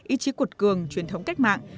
ý chí cuột cường truyền thống cách mạng